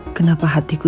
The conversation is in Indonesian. aku penat dengan dirimu